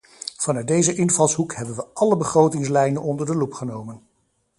Vanuit deze invalshoek hebben wij alle begrotingslijnen onder de loep genomen.